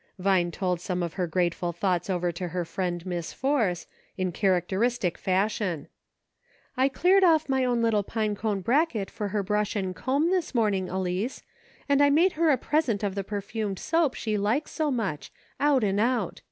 Vine told some of her grateful thoughts over to her friend Miss Force, in characteristic fashion : A GREAT MANY " LITTLE THINGS. 29I " I cleared off my own little pine cone bracket for her brush and comb, this morning, Elice, and I made her a present of the perfumed soap she likes so much, out and out.